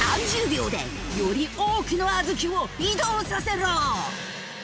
３０秒でより多くの小豆を移動させろ！